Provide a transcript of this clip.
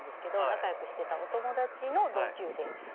仲良くしてたお友達の同級生です。